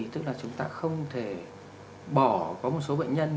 tức là chúng ta không thể bỏ có một số bệnh nhân